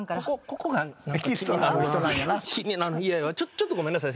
ちょっとごめんなさい。